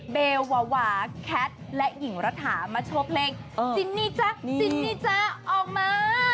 เบลวาวาแคทและหญิงระถามาโชว์เพลงจินนี่จ๊ะจินนี่จ๊ะออกมา